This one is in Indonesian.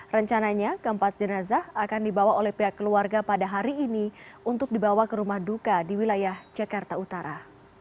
rencananya keempat jenazah akan dibawa oleh pihak keluarga pada hari ini untuk dibawa ke rumah duka di wilayah jakarta utara